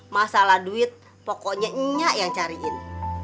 masalah duit pokoknya nyak yang cariin